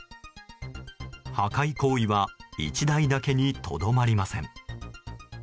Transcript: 破壊行為は１台だけにとどまりません。